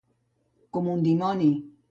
Com un dimoni.